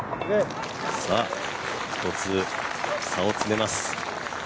１つ差を詰めます。